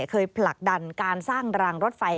ผลักดันการสร้างรางรถไฟ